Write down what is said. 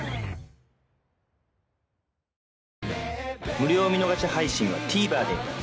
無料見逃し配信は ＴＶｅｒ で